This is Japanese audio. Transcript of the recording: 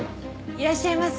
いらっしゃいませ。